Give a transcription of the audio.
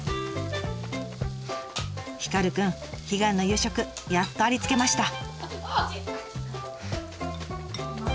ヒカルくん悲願の夕食やっとありつけました。